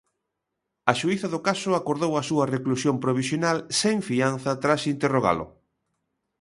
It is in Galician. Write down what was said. A xuíza do caso acordou a súa reclusión provisional sen fianza tras interrogalo.